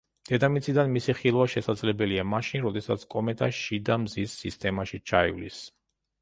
დედამიწიდან მისი ხილვა შესაძლებელია მაშინ, როდესაც კომეტა შიდა მზის სისტემაში ჩაივლის.